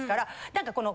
何かこの。